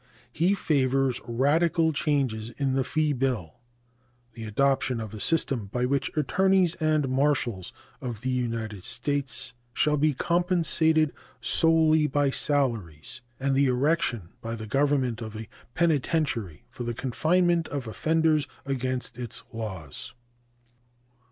He favors radical changes in the fee bill, the adoption of a system by which attorneys and marshals of the United States shall be compensated solely by salaries, and the erection by the Government of a penitentiary for the confinement of offenders against its laws.